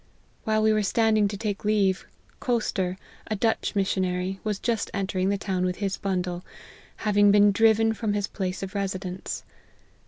While we were standing to take leave, Koster, a Dutch missionary, was just entering the town with his bundle, having been driven from his place of residence.